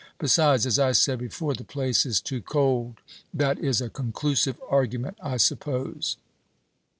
Besides, as I said before, the place is too cold. That is a conclusive argument, I suppose?"